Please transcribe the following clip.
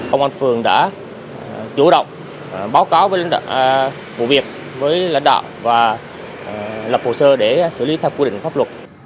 công an phường đã chủ động báo cáo với lãnh đạo bộ việc với lãnh đạo và lập hồ sơ để xử lý theo quy định pháp luật